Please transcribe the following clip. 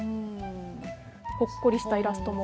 ほっこりしたイラストも。